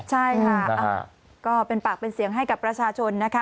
ใช่ค่ะก็เป็นปากเป็นเสียงให้กับประชาชนนะคะ